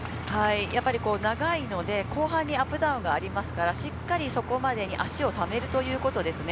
やっぱり長いので、後半にアップダウンがありますから、しっかりそこまでに足を立てるということですね。